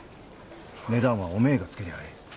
値段はおめえがつけりゃあええ。